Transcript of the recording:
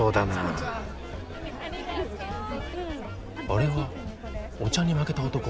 あれはお茶に負けた男。